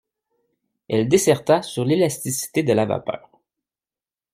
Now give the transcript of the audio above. Elle disserta sur l'élasticité de la vapeur.